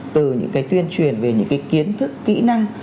từ những cái tuyên truyền về những cái kiến thức kỹ năng